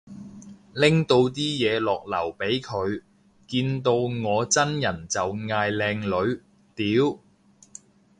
拎到啲嘢落樓俾佢，見到我真人就嗌靚女，屌